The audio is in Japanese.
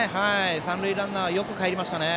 三塁ランナーよくかえりましたね。